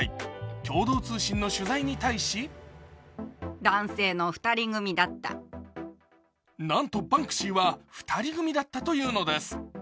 共同通信の取材に対しなんとバンクシーは２人組だったというのです。